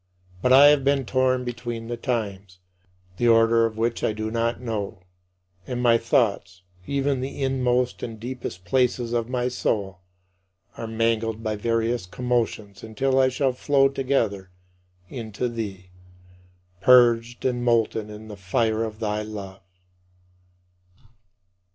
But I have been torn between the times, the order of which I do not know, and my thoughts, even the inmost and deepest places of my soul, are mangled by various commotions until I shall flow together into thee, purged and molten in the fire of thy love.